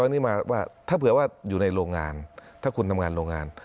อันนี้มาว่าถ้าเผื่อว่าอยู่ในโรงงานถ้าคุณทำงานโรงงาน